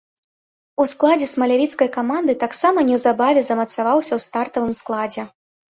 У складзе смалявіцкай каманды таксама неўзабаве замацаваўся ў стартавым складзе.